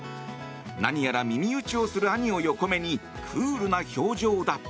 何やら耳打ちをする兄を横目にクールな表情だ。